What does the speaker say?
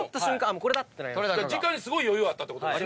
時間にすごい余裕あったってことですね。